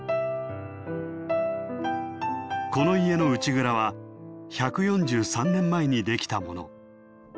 この家の内蔵は１４３年前にできたもの。